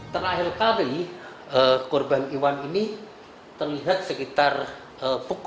terakhir kali korban iwan ini terlihat sekitar pukul tujuh dua puluh empat